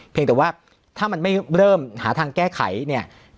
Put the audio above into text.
เพียงแต่ว่าถ้ามันไม่เริ่มหาทางแก้ไขเนี่ย